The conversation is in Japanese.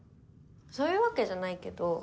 そういうわけじゃないけど。